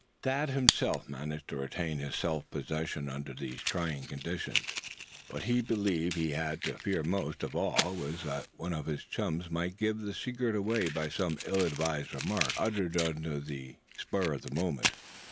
THAD himself managed to retain his self possession under these trying conditions. What he believed he had to fear most of all, was that one of his chums might give the secret away by some ill advised remark, uttered under the spur of the moment.